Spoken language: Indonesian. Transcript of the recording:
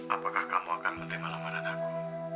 apakah kamu akan menerima lamaran aku